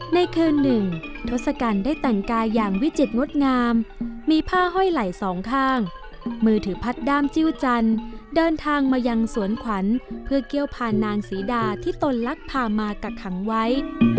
ในคืนหนึ่งทศกัณฐ์ได้แต่งกายอย่างวิจิตรงดงามมีผ้าห้อยไหล่สองข้างมือถือพัดด้ามจิ้วจันทร์เดินทางมายังสวนขวัญเพื่อเกี่ยวพานางศรีดาที่ตนลักพามากักขังไว้